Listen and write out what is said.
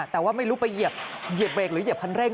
แต่ว่าไม่รู้ไปเหยียบเบรกหรือเหยียบคันเร่ง